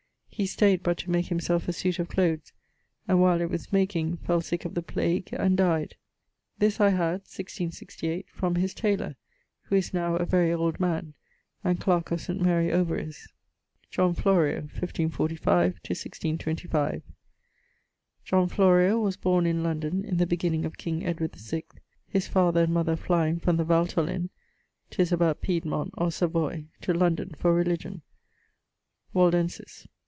He stayed but to make himselfe a suite of cloathes, and while it was makeing, fell sick of the plague and dyed. This I had (1668) from his tayler, who is now a very old man, and clarke of St. Mary Overy's. =John Florio= (1545? 1625). John Florio was borne in London in the beginning of king Edward VI, his father and mother flying from the Valtolin ('tis about Piedmont or Savoy) to London for religion: Waldenses.